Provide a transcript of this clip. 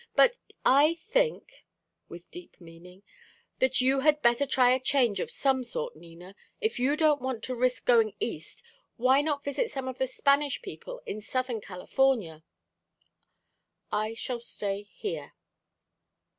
But I think," with deep meaning, "that you had better try a change of some sort, Nina. If you don't want to risk going East, why not visit some of the Spanish people in Southern California?" "I shall stay here."